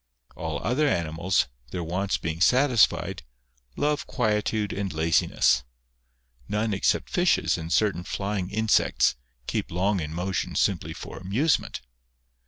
All other animals, their wants being satisfied, love quietude and laziness ; none, except fishes and certain flying insects, keep long in motion simply for amusement.